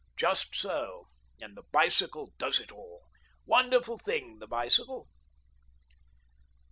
"Just so — and the bicycle does it all; wonderful thing the bicycle